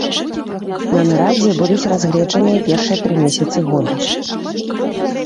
На нарадзе будуць разгледжаныя першыя тры месяцы года.